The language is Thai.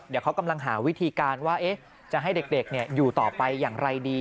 เดี๋ยวเขากำลังหาวิธีการว่าจะให้เด็กอยู่ต่อไปอย่างไรดี